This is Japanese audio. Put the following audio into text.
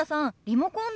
リモコン